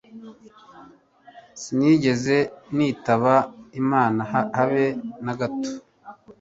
sinigeze nitaba imana habe nagato